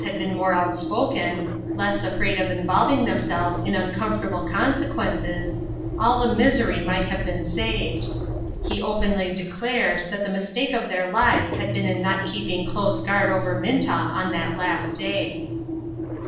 231 had been more outspoken, less afraid of involving themselves in uncomfortable consequences, all the misery might have been saved. He openly de clared that the mistake of their lives had been in not keeping close guard over Minta on that last day.